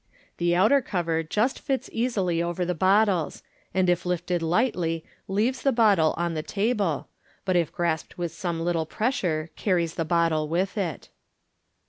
The outer cover just fits easily over the bottles, and if lifted lightly leaves the bottle on the table, but if grasped with some little pressure, carries the bottle with it.